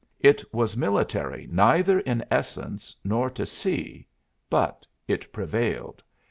It was military neither in essence nor to see, but it prevailed.